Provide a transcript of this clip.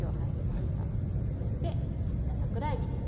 そして煎った桜えびです。